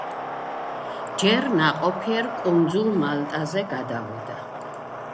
ჯერ ნაყოფიერ კუნძულ მალტაზე გადავიდა.